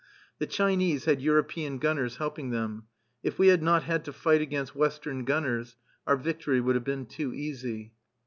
The Chinese had European gunners helping them. If we had not had to fight against Western gunners, _our victory would have been too easy.